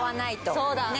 そうだね。